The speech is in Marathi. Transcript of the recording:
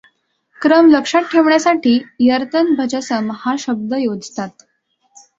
क्रम लक्षात ठेवण्यासाठी यरतनभजसम हा शब्द योजतात.